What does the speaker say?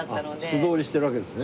素通りしてるわけですね。